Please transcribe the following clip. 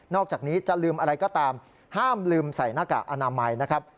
อกจากนี้จะลืมอะไรก็ตามห้ามลืมใส่หน้ากากอนามัยนะครับ